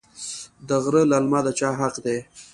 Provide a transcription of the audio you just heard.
د غره للمه د چا حق دی؟